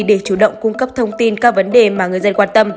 để chủ động cung cấp thông tin các vấn đề mà người dân quan tâm